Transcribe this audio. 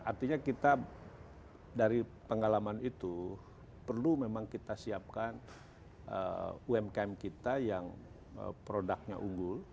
artinya kita dari pengalaman itu perlu memang kita siapkan umkm kita yang produknya unggul